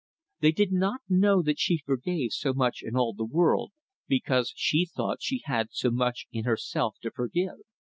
They did not know that she forgave so much in all the world, because she thought she had so much in herself to forgive.